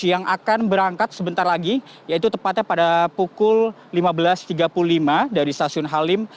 yang akan berangkat sebentar lagi yaitu tepatnya pada pukul lima belas tiga puluh lima dari stasiun halim